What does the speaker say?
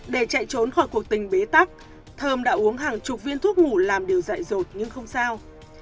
để chạy trốn khỏi cuộc tình bế tắc thơm đã uống hàng chục viên thuốc ngủ làm điều dạy rột nhưng không sao